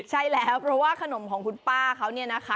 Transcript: ใช่แล้วเพราะว่าขนมของคุณป้าเขาเนี่ยนะคะ